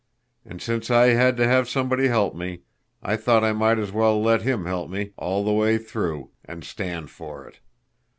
And since I had to have somebody to help me, I thought I might as well let him help me all the way through and stand for it.